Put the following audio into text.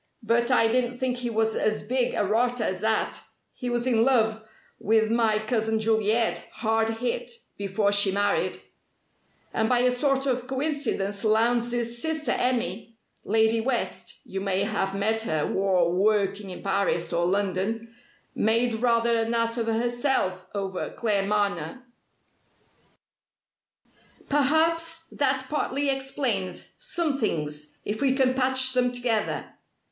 But I didn't think he was as big a rotter as that! He was in love with my cousin Juliet, hard hit, before she married. And by a sort of coincidence Lowndes' sister Emmy Lady West (you may have met her war working in Paris or London) made rather an ass of herself over Claremanagh." "Perhaps that partly explains some things, if we can patch them together.